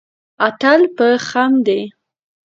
اتل په خښم دی.